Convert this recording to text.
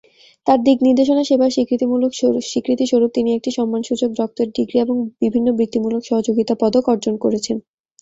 তার দিক নির্দেশনা এবং সেবার স্বীকৃতি স্বরূপ তিনি একটি সম্মানসূচক ডক্টরেট ডিগ্রি এবং বিভিন্ন বৃত্তিমূলক সহযোগিতা পদক অর্জন করেছেন।